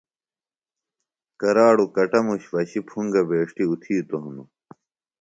کراڑوۡ کٹموش پشیۡ پُھنگہ بیݜٹیۡ اُتِھیتوۡ ہنوۡ